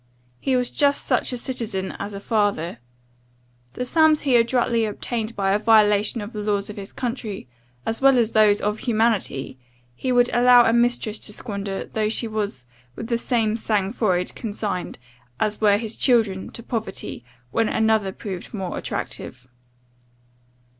He was just such a citizen, as a father. The sums he adroitly obtained by a violation of the laws of his country, as well as those of humanity, he would allow a mistress to squander; though she was, with the same sang froid, consigned, as were his children, to poverty, when another proved more attractive.